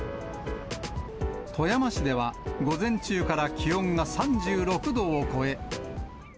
富山市では、午前中から気温が３６度を超え。